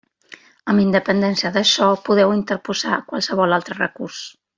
Amb independència d'això podeu interposar qualsevol altre recurs.